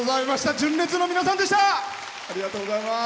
純烈の皆さんでした。